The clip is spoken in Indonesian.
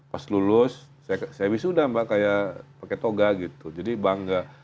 pas lulus saya wisuda mbak kayak pakai toga gitu jadi bangga